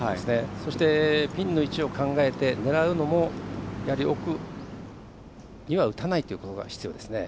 そして、ピンの位置を考えて狙うのも、奥には打たないというのが必要ですね。